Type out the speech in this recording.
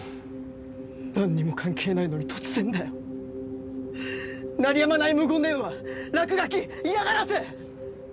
何にも関係ないのに突然だよ鳴りやまない無言電話落書き嫌がらせ！